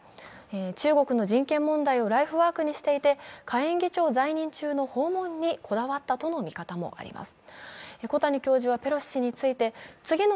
中国の人権問題をライフワークにしていて、下院議長在任中の訪問にこだわったとの見方もあります。